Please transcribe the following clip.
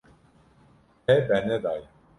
Te bernedaye.